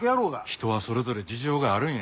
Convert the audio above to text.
人はそれぞれ事情があるんや。